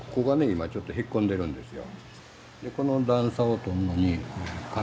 今ちょっとへっこんでるんですよ。